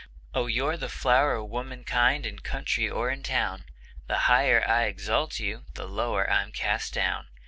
Oh, you're the flower o' womankind in country or in town; The higher I exalt you, the lower I'm cast down.